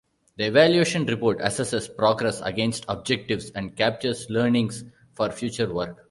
The evaluation report assesses progress against objectives and captures learnings for future work.